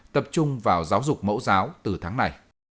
tập trung vào giáo dục mẫu giáo từ tháng này